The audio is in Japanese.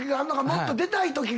もっと出たいときが。